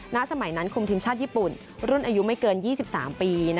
ณสมัยนั้นคุมทีมชาติญี่ปุ่นรุ่นอายุไม่เกิน๒๓ปี